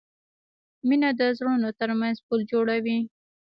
مینه د زړونو ترمنځ پل جوړوي.